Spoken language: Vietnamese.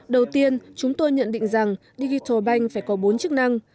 đầu tiên chúng tôi nhận định rằng digital bank phải có bốn chức năng